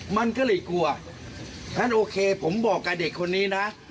มันก็เลยกลัวงั้นโอเคผมบอกกับเด็กคนนี้นะ